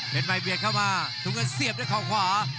เป็นใหม่เบียดเข้ามาถุงเงินเสียบด้วยเขาขวา